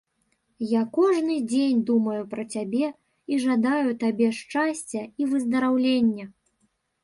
Я кожны дзень думаю пра цябе і жадаю табе шчасця і выздараўлення.